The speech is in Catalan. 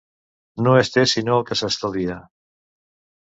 No es té sinó el que s'estalvia.